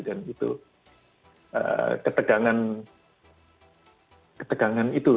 dan itu ketegangan itu loh